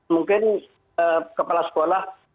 mungkin kepala sekolah